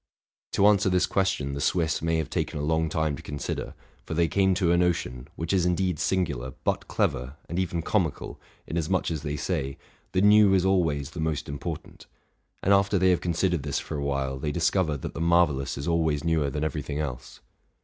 To answer this question, the Swiss may have taken a long time to consider; for they came to a notion, which is indeed singular, but clever, and even comical, inasmuch as they say, the new is always the most important: and after they have considered this for a while, they discover that the marvellous is always newer than every thing else.